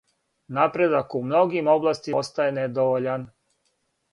Напредак у многим областима остаје недовољан.